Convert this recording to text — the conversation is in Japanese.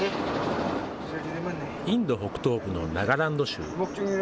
インド北東部のナガランド州。